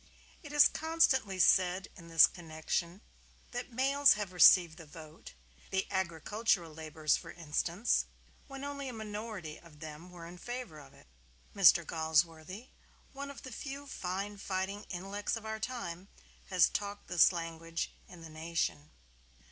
It is constantly said in this connection that males have received the vote (the agricultural laborers for instance) when only a minority of them were in favor of it. Mr. Galsworthy, one of the few fine fighting intellects of our time, has talked this language in the "Nation."